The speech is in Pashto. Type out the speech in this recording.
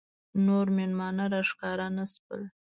نور مېلمانه راښکاره نه شول.